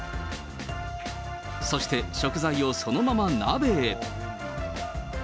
そして食材をそのまま鍋へ。